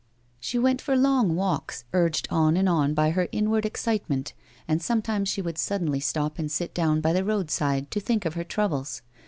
She went for long walks, urged on and on by her inward excitement, and sometimes she would suddenly stop and sit down by the road side to think of her troubles.